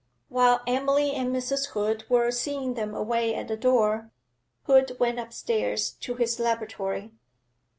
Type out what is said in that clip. While Emily and Mrs. Hood were seeing them away at the door, Hood went upstairs to his laboratory.